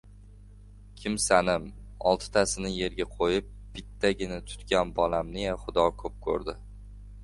Kimsanim... Oltitasini yerga qo‘yib, bittagina tutgan bolamniyam Xudo ko‘p ko‘rdi.